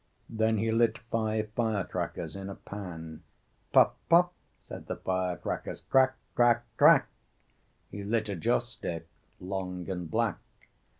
Then he lit five fire crackers in a pan. "Pop, pop," said the fire crackers, "cra cra crack." He lit a joss stick long and black.